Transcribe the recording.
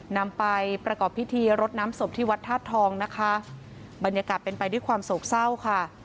นำไปประกอบพิธีรดน้ำศพที่วัดธาตุทองนะคะบรรยากาศเป็นไปด้วยความโศกเศร้าค่ะ